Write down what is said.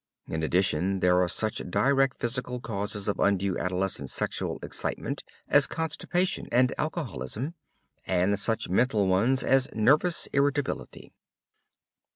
In addition there are such direct physical causes of undue adolescent sexual excitement as constipation and alcoholism, and such mental ones as nervous irritability.